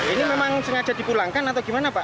ini memang sengaja dipulangkan atau gimana pak